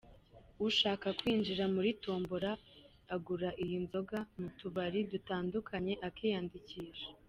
Ushaka kwinjira muri tombola agura iyi nzoga mu tubari dutandukanye, akiyandikisha.